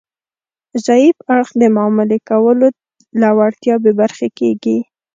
ضعیف اړخ د معاملې کولو له وړتیا بې برخې کیږي